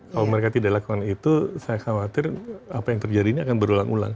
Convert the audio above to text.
kalau mereka tidak lakukan itu saya khawatir apa yang terjadi ini akan berulang ulang